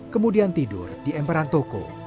kemudian tidur di emperan toko